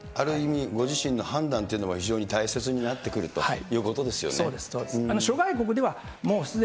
ある意味、ご自身の判断というのは、非常に大切になってくるということですよね。